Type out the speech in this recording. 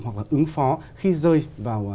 hoặc là ứng phó khi rơi vào